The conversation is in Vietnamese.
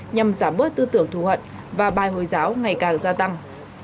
nhằm giảm bớt tư tưởng thù hận và bài hồi giáo ngày càng gia tăng